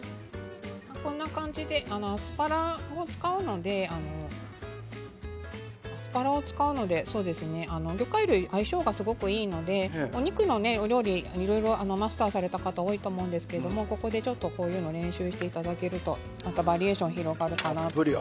こんな感じでアスパラを使うので魚介類、相性がすごくいいのでお肉のお料理、いろいろマスターされた方多いと思いますが、ここでこういうの練習していただけるとバリエーションが広がるかなと。